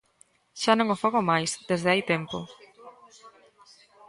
Xa non o fago máis, desde hai tempo.